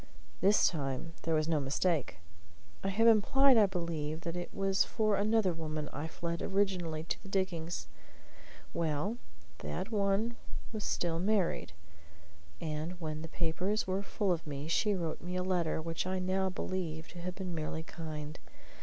This time there was no mistake. I have implied, I believe, that it was for another woman I fled originally to the diggings. Well, that one was still unmarried, and when the papers were full of me she wrote me a letter which I now believe to have been merely kind.